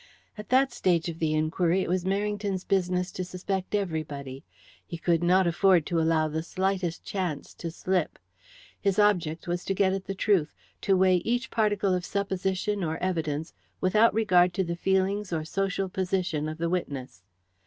At that stage of the inquiry it was Merrington's business to suspect everybody. He could not afford to allow the slightest chance to slip. His object was to get at the truth; to weigh each particle of supposition or evidence without regard to the feelings or social position of the witness.